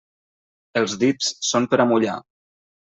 Els dits són per a mullar.